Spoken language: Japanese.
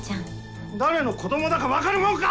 誰の子どもだか分かるもんか！